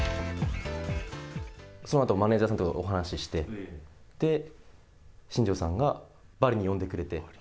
そのあとマネージャーさんとかとお話して、で、新庄さんがバリに呼んでくれて。